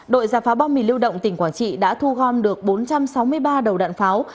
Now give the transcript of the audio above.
đội giả phá bom mìn lưu động tỉnh quảng trị đã thu gom được bốn trăm sáu mươi ba đầu đạn pháo